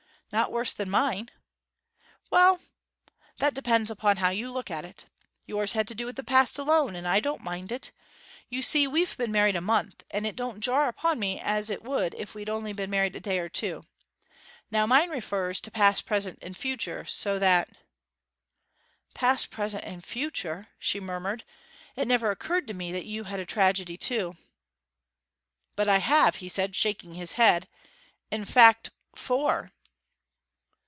'Not worse than mine?' 'Well that depends upon how you look at it. Yours had to do with the past alone; and I don't mind it. You see, we've been married a month, and it don't jar upon me as it would if we'd only been married a day or two. Now mine refers to past, present, and future; so that ' 'Past, present, and future!' she murmured. 'It never occurred to me that you had a tragedy too.' 'But I have!' he said, shaking his head. 'In fact, four.'